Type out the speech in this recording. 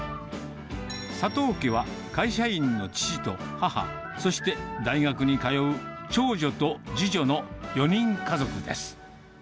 佐藤家は会社員の父と母、そして大学に通う長女と次女の４人家族です。